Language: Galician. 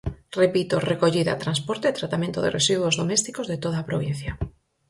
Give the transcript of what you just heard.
Repito: recollida, transporte e tratamento de residuos domésticos de toda a provincia.